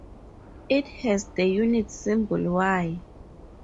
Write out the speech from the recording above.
It has the unit symbol Y.